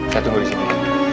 saya tunggu di sini